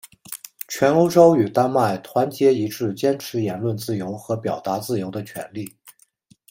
全欧洲与丹麦团结一致坚持言论自由和表达自由的权利。